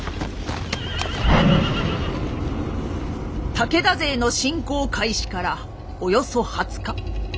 武田勢の侵攻開始からおよそ２０日。